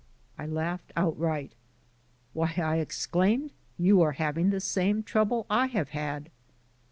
I laughed outright. "Why," I exclaimed, "you are having the same trouble I have had!"